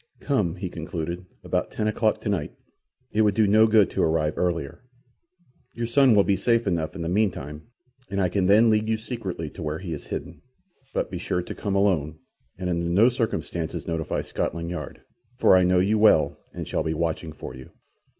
"Come," he concluded, "about ten o'clock tonight. It would do no good to arrive earlier. Your son will be safe enough in the meantime, and I can then lead you secretly to where he is hidden. But be sure to come alone, and under no circumstances notify Scotland Yard, for I know you well and shall be watching for you.